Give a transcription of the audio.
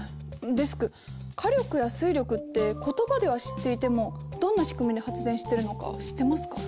デスク火力や水力って言葉では知っていてもどんな仕組みで発電してるのか知ってますか？